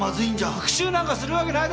復讐なんかするわけないだろ！